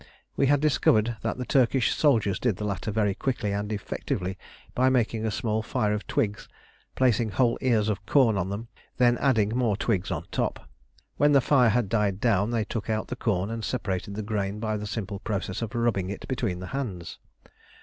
We had discovered that the Turkish soldiers did the latter very quickly and effectively by making a small fire of twigs, placing whole ears of corn on them, then adding more twigs on top. When the fire had died down they took out the corn and separated the grain by the simple process of rubbing it between the hands.